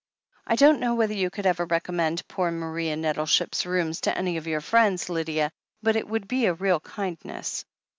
"I don't know whether you could ever recommend poor Maria Nettleship's rooms to any of your friends, Lydia — ^but it would be a real kindness.